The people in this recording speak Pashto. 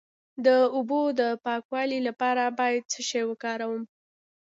د اوبو د پاکوالي لپاره باید څه شی وکاروم؟